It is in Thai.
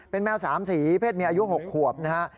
เป็นแมว๓สีเพศเมียอายุ๖ขวบนะฮะ